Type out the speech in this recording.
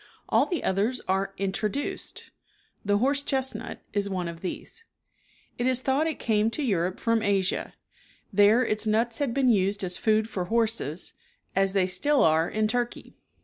All the others are introduced. The horse chestnut is one of these. It is thought it came to Europe from Asia. There its nuts had been used as food for horses, as they still are in Turkey.